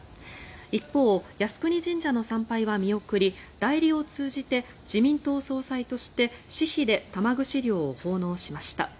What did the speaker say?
一方、靖国神社の参拝は見送り代理を通じて自民党総裁として私費で玉串料を奉納しました。